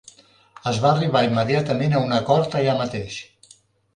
Es va arribar immediatament a un acord allà mateix.